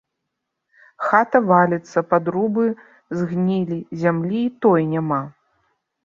Хата валіцца, падрубы згнілі, зямлі і той няма.